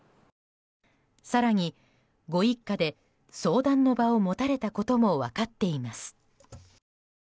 更に、ご一家で相談の場を持たれたことも分かっています。